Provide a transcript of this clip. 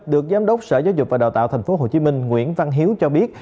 được giám đốc sở giáo dục và đào tạo tp hcm nguyễn văn hiếu cho biết